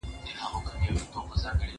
ملا د غږ د سرچینې په اړه فکر کاوه.